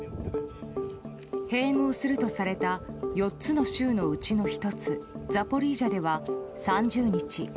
併合するとされた４つの州のうちの１つザポリージャでは３０日。